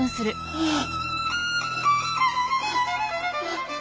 ああ！